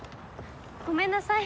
ごめんなさい。